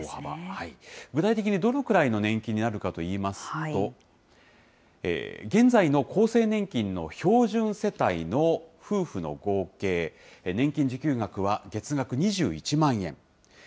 具体的にどのくらいの年金になるのかといいますと、現在の厚生年金の標準世帯の夫婦の合計、年金受給額は月額２１万円。